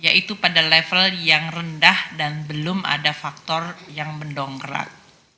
yaitu pada level yang rendah dan belum ada faktor yang mendongkrak